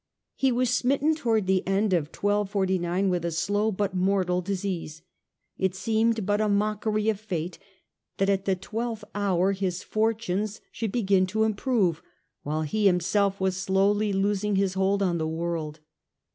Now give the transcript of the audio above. He was smitten towards the end of 1249 with a slow but mortal disease. It seemed but a mockery of fate that at the twelfth hour his fortunes should begin to improve, while he himself was slowly losing his hold on the world.